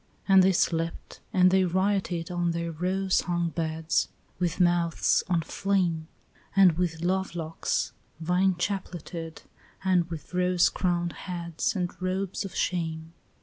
And they slept and they rioted on their rose hung beds, With mouths on flame, And with love locks vine chapleted, and with rose crowned heads And robes of shame.